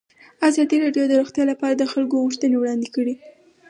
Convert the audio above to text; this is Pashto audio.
ازادي راډیو د روغتیا لپاره د خلکو غوښتنې وړاندې کړي.